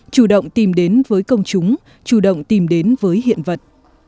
chủ động tìm đến với công chúng chủ động tìm đến với hiện vật